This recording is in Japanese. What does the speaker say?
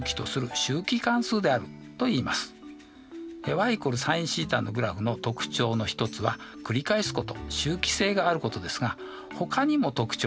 ｙ＝ｓｉｎθのグラフの特徴の一つは繰り返すこと周期性があることですがほかにも特徴があります。